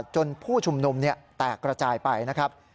จนผู้ชุมนมเนี่ยแตกระจายไปนะครับ